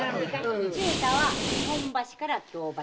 忠太は日本橋から京橋。